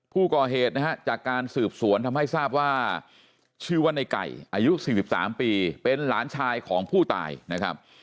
ผู้ก่อเหตุนะฮะจากการสืบสวนทำให้ทราบว่าชื่อว่าในไก่อายุ๔๓ปีเป็นหลานชายของผู้ตายนะครับ